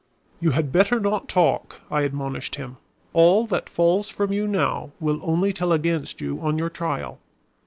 "You had better not talk," I admonished him. "All that falls from you now will only tell against you on your trial."